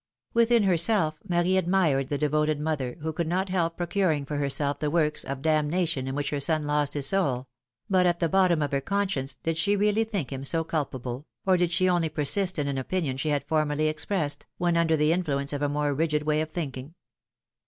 ^^ Within lierself, Marie admired the devoted mother, who could not help procuring for herself the works of damna tion in which her son lost his soul ; but at the bottom of her conscience did she really think him so culpable, or did she only persist in an opinion she had formerly expressed, when under the influence of a more rigid way of thinking?